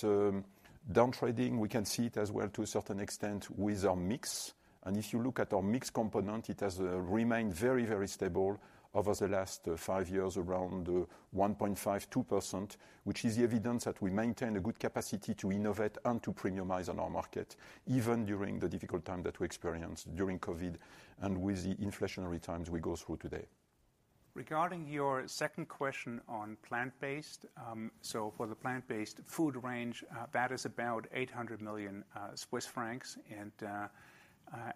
downtrading, we can see it as well to a certain extent with our mix. If you look at our mix component, it has remained very, very stable over the last five years around 1.5%-2%, which is the evidence that we maintain a good capacity to innovate and to premiumize on our market, even during the difficult time that we experienced during COVID and with the inflationary times we go through today. Regarding your second question on plant-based, for the plant-based food range, that is about 800 million Swiss francs.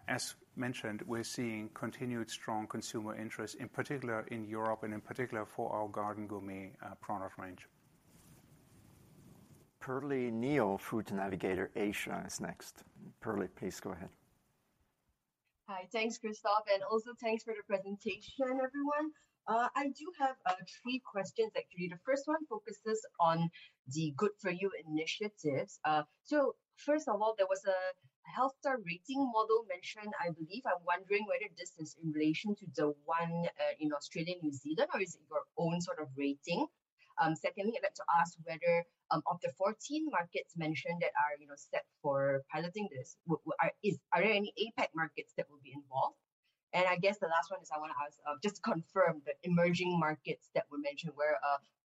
As mentioned, we're seeing continued strong consumer interest, in particular in Europe and in particular for our Garden Gourmet product range. Pearly Neo, Food Navigator Asia is next. Pearly, please go ahead. Hi. Thanks, Christoph, and also thanks for the presentation, everyone. I do have three questions actually. The first one focuses on the Good for You initiatives. First of all, there was a Health Star Rating model mentioned, I believe. I'm wondering whether this is in relation to the one in Australia, New Zealand, or is it your own sort of rating? Secondly, I'd like to ask whether of the 14 markets mentioned that are, you know, set for piloting this, are there any APAC markets that will be involved? I guess the last one is I wanna ask, just confirm the emerging markets that were mentioned, where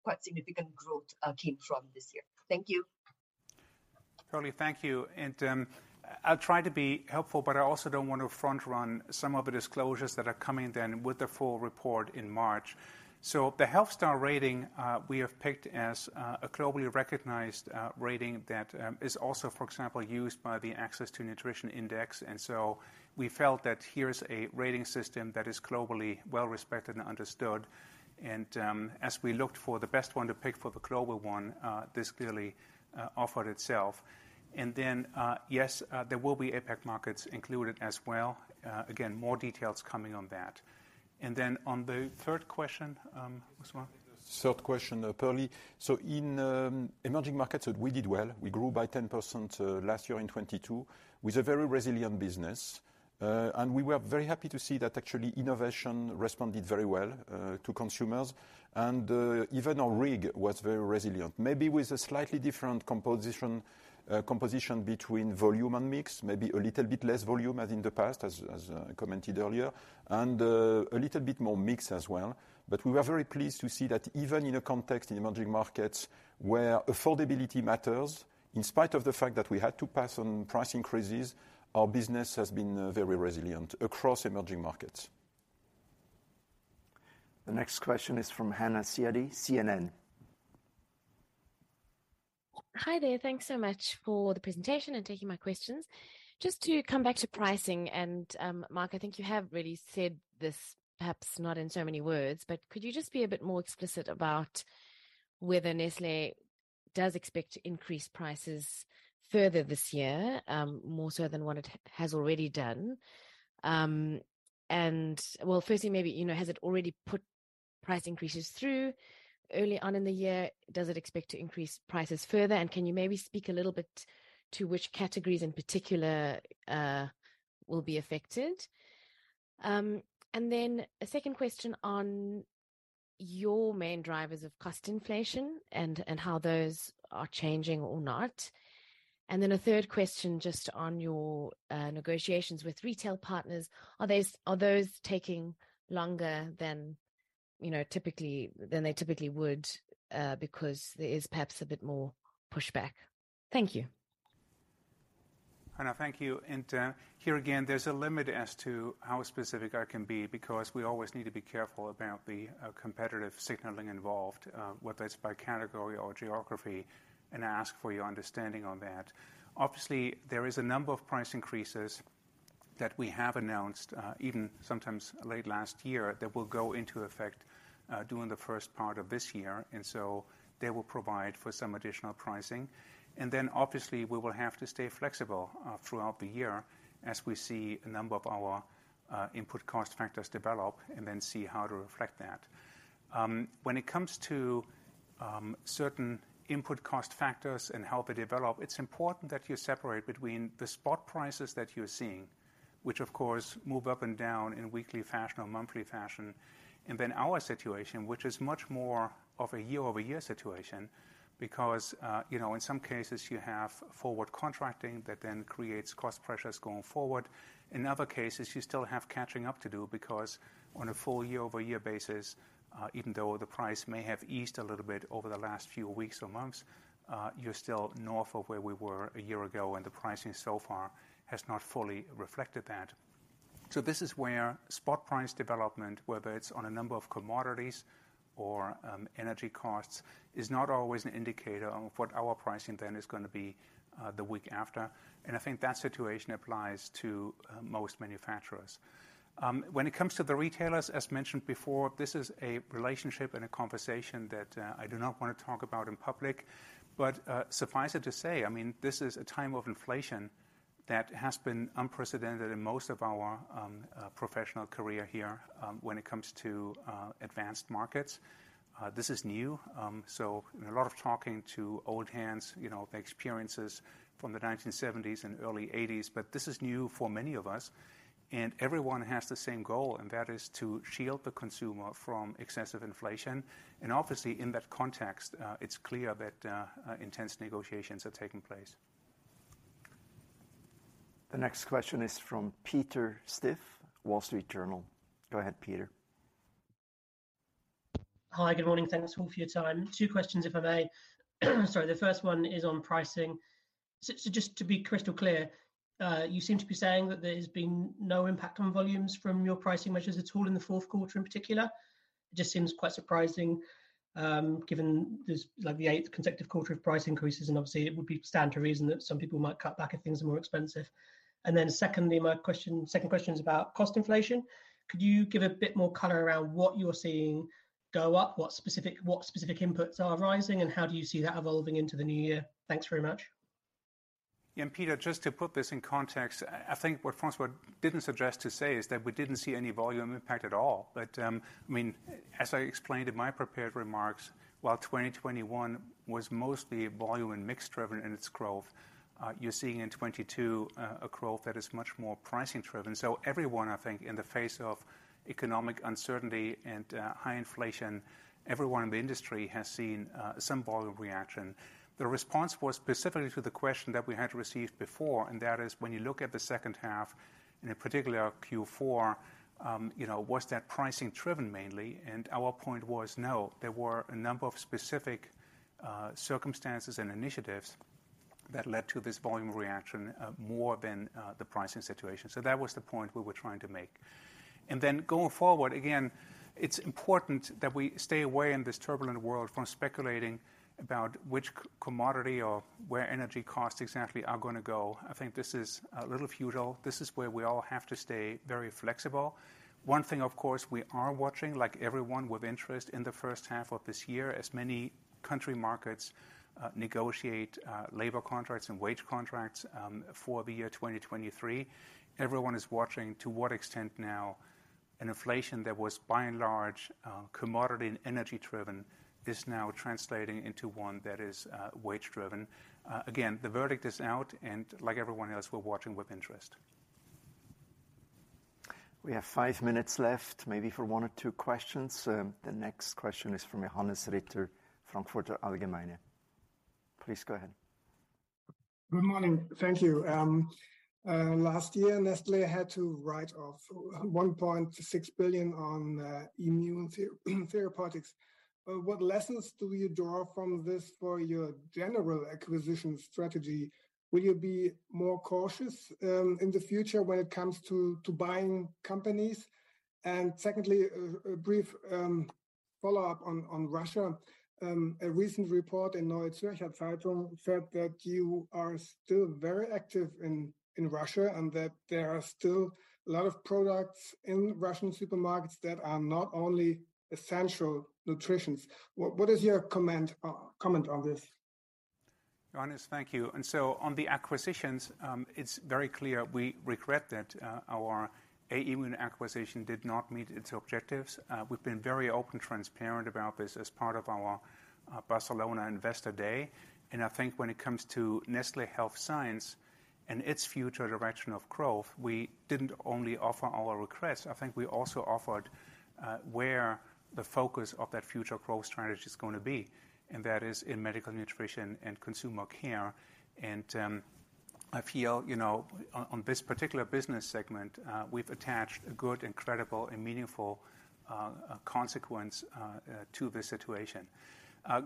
quite significant growth came from this year. Thank you. Pearly, thank you. I'll try to be helpful, but I also don't want to front run some of the disclosures that are coming then with the full report in March. The Health Star Rating we have picked as a globally recognized rating that is also, for example, used by the Access to Nutrition Index. We felt that here's a rating system that is globally well-respected and understood. As we looked for the best one to pick for the global one, this clearly offered itself. Yes, there will be APAC markets included as well. Again, more details coming on that. On the third question, François? Third question, Pearly. In emerging markets, we did well. We grew by 10% last year in 2022, with a very resilient business. We were very happy to see that actually innovation responded very well to consumers. Even our RIG was very resilient. Maybe with a slightly different composition between volume and mix, maybe a little bit less volume as in the past, as commented earlier, and a little bit more mix as well. We were very pleased to see that even in a context in emerging markets where affordability matters, in spite of the fact that we had to pass on price increases, our business has been very resilient across emerging markets. The next question is from Hanna Ziady, CNN. Hi there. Thanks so much for the presentation and taking my questions. Just to come back to pricing, Mark, I think you have really said this, perhaps not in so many words, but could you just be a bit more explicit about whether Nestlé does expect to increase prices further this year, more so than what it has already done? Firstly, maybe, you know, has it already put price increases through early on in the year? Does it expect to increase prices further? Can you maybe speak a little bit to which categories in particular will be affected? A second question on your main drivers of cost inflation and how those are changing or not. A third question, just on your negotiations with retail partners, are those taking longer than, you know, typically... than they typically would, because there is perhaps a bit more pushback? Thank you. Hanna, thank you. Here again, there's a limit as to how specific I can be because we always need to be careful about the competitive signaling involved, whether it's by category or geography, and ask for your understanding on that. Obviously, there is a number of price increases that we have announced, even sometimes late last year, that will go into effect during the first part of this year, they will provide for some additional pricing. Obviously we will have to stay flexible throughout the year as we see a number of our input cost factors develop and then see how to reflect that. When it comes to certain input cost factors and how they develop, it's important that you separate between the spot prices that you're seeing, which of course move up and down in weekly fashion or monthly fashion, and then our situation, which is much more of a year-over-year situation because in some cases you have forward contracting that then creates cost pressures going forward. In other cases, you still have catching up to do because on a full year-over-year basis, even though the price may have eased a little bit over the last few weeks or months, you're still north of where we were a year ago, and the pricing so far has not fully reflected that. This is where spot price development, whether it's on a number of commodities or energy costs, is not always an indicator of what our pricing then is gonna be the week after. I think that situation applies to most manufacturers. When it comes to the retailers, as mentioned before, this is a relationship and a conversation that I do not want to talk about in public. Suffice it to say, I mean, this is a time of inflation that has been unprecedented in most of our professional career here when it comes to advanced markets. This is new, in a lot of talking to old hands, you know, experiences from the 1970s and early '80s, but this is new for many of us, and everyone has the same goal, and that is to shield the consumer from excessive inflation. Obviously in that context, it's clear that intense negotiations are taking place. The next question is from Peter Stiff, The Wall Street Journal. Go ahead, Peter. Hi. Good morning. Thanks all for your time. Two questions if I may. Sorry. The first one is on pricing. Just to be crystal clear, you seem to be saying that there's been no impact on volumes from your pricing measures at all in the fourth quarter in particular? It just seems quite surprising, given this, the 8th consecutive quarter of price increases, obviously it would be stand to reason that some people might cut back if things are more expensive. Secondly, my second question is about cost inflation. Could you give a bit more color around what you're seeing go up? What specific inputs are rising, how do you see that evolving into the new year? Thanks very much. Yeah. Peter, just to put this in context, I think what François didn't suggest to say is that we didn't see any volume impact at all. I mean, as I explained in my prepared remarks, while 2021 was mostly volume and mix driven in its growth, you're seeing in 2022 a growth that is much more pricing driven. Everyone, I think, in the face of economic uncertainty and high inflation, everyone in the industry has seen some volume reaction. The response was specifically to the question that we had received before, and that is when you look at the second half, and in particular Q4, you know, was that pricing driven mainly? Our point was, no. There were a number of specific circumstances and initiatives that led to this volume reaction, more than the pricing situation. That was the point we were trying to make. Going forward, again, it's important that we stay away in this turbulent world from speculating about which commodity or where energy costs exactly are gonna go. I think this is a little futile. This is where we all have to stay very flexible. One thing, of course, we are watching, like everyone with interest in the first half of this year, as many country markets negotiate labor contracts and wage contracts for the year 2023. Everyone is watching to what extent now an inflation that was by and large commodity and energy driven is now translating into one that is wage driven. Again, the verdict is out and like everyone else, we're watching with interest. We have 5 minutes left, maybe for one or two questions. The next question is from Johannes Ritter, Frankfurter Allgemeine. Please go ahead. Good morning. Thank you. Last year, Nestlé had to write off 1.6 billion on Aimmune Therapeutics. What lessons do you draw from this for your general acquisition strategy? Will you be more cautious in the future when it comes to buying companies? Secondly, Follow-up on Russia. A recent report in Neue Zürcher Zeitung said that you are still very active in Russia, and that there are still a lot of products in Russian supermarkets that are not only essential nutritions. What is your comment on this? Johannes, thank you. On the acquisitions, it's very clear we regret that our Aimmune acquisition did not meet its objectives. We've been very open, transparent about this as part of our Barcelona Investor Day. I think when it comes to Nestlé Health Science and its future direction of growth, we didn't only offer our regrets, I think we also offered where the focus of that future growth strategy is gonna be, and that is in medical nutrition and consumer care. I feel, you know, on this particular business segment, we've attached a good and credible and meaningful consequence to this situation.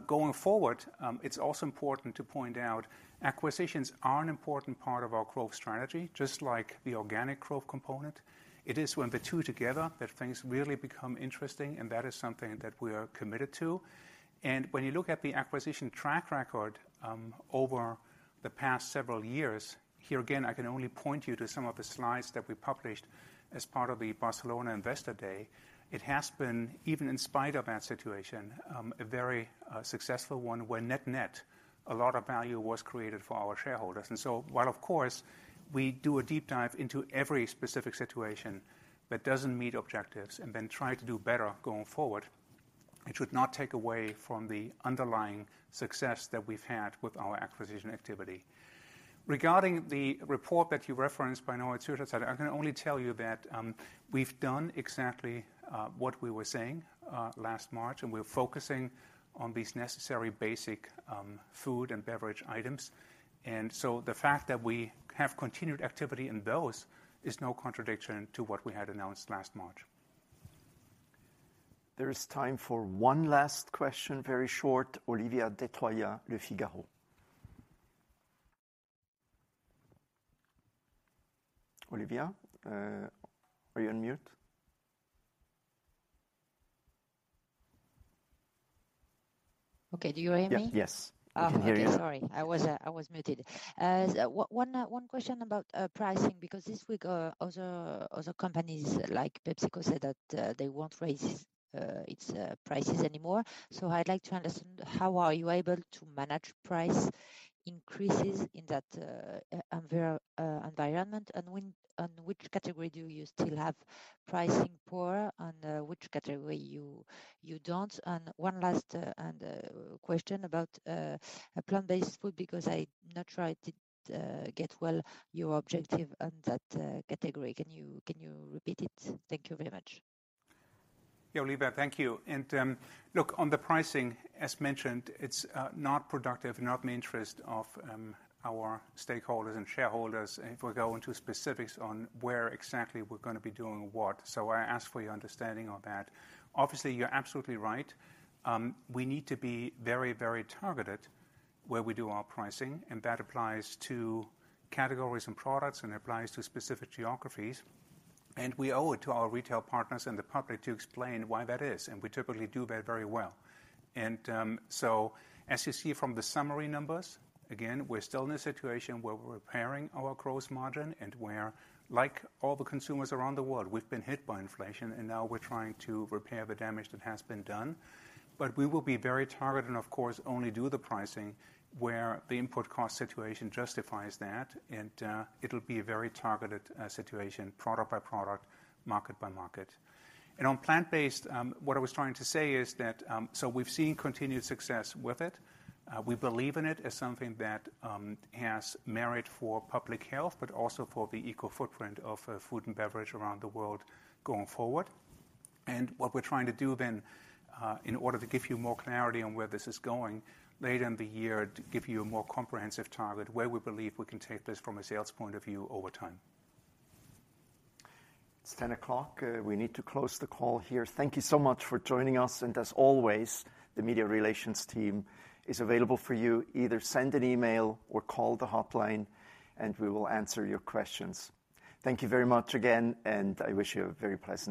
Going forward, it's also important to point out acquisitions are an important part of our growth strategy, just like the organic growth component. It is when the two together that things really become interesting, that is something that we are committed to. When you look at the acquisition track record, over the past several years, here again, I can only point you to some of the slides that we published as part of the Barcelona Investor Day. It has been, even in spite of that situation, a very successful one, where net, a lot of value was created for our shareholders. While, of course, we do a deep dive into every specific situation that doesn't meet objectives and then try to do better going forward, it should not take away from the underlying success that we've had with our acquisition activity. Regarding the report that you referenced by Neue Zürcher, I can only tell you that we've done exactly what we were saying last March, and we're focusing on these necessary basic food and beverage items. The fact that we have continued activity in those is no contradiction to what we had announced last March. There is time for one last question, very short. Olivia Détroyat, Le Figaro. Olivia, are you on mute? Okay. Do you hear me? Yes. We can hear you. Oh, okay. Sorry. I was muted. One question about pricing, because this week, other companies like PepsiCo said that they won't raise its prices anymore. I'd like to understand, how are you able to manage price increases in that environment, and which category do you still have pricing power and which category you don't? One last, and, question about plant-based food, because I not right did get well your objective on that category. Can you repeat it? Thank you very much. Yeah, Olivia, thank you. Look, on the pricing, as mentioned, it's not productive, not in the interest of our stakeholders and shareholders if we go into specifics on where exactly we're gonna be doing what. I ask for your understanding on that. Obviously, you're absolutely right. We need to be very, very targeted where we do our pricing, and that applies to categories and products, and it applies to specific geographies. We owe it to our retail partners and the public to explain why that is, and we typically do that very well. As you see from the summary numbers, again, we're still in a situation where we're repairing our gross margin and where, like all the consumers around the world, we've been hit by inflation, and now we're trying to repair the damage that has been done. We will be very targeted and, of course, only do the pricing where the input cost situation justifies that. It'll be a very targeted situation, product by product, market by market. On plant-based, what I was trying to say is that we've seen continued success with it. We believe in it as something that has merit for public health, but also for the eco footprint of food and beverage around the world going forward. What we're trying to do then, in order to give you more clarity on where this is going, later in the year, give you a more comprehensive target where we believe we can take this from a sales point of view over time. It's 10:00 A.M. We need to close the call here. Thank you so much for joining us. As always, the media relations team is available for you. Either send an email or call the hotline. We will answer your questions. Thank you very much again. I wish you a very pleasant day.